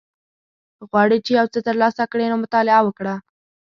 غواړی چی یوڅه تر لاسه کړی نو مطالعه وکړه